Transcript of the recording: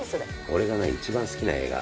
俺がな一番好きな映画。